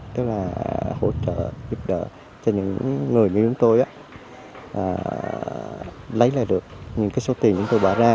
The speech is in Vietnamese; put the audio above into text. tức là hỗ trợ giúp đỡ cho những người như chúng tôi lấy lại được những số tiền chúng tôi bỏ ra